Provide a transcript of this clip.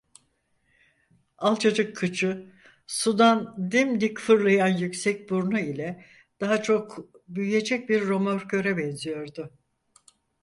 Alçacık kıçı, sudan dimdik fırlayan yüksek burnu ile, daha çok, büyücek bir römorköre benziyordu.